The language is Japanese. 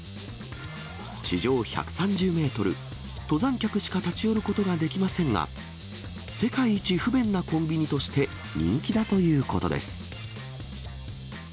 地上１３０メートル、登山客しか立ち寄ることができませんが、世界一不便なコンビニとして人気だということです。